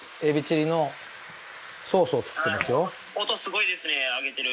「音すごいですね揚げてる」